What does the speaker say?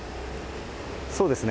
そうですね。